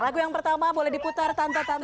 lagu yang pertama boleh diputar tanpa tanpa